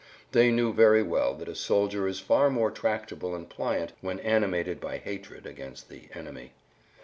They knew very well that a soldier is far more tractable and pliant when animated by hatred against the "enemy."